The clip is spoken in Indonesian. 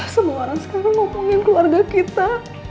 semua orang sekarang ngomongin keluarga kita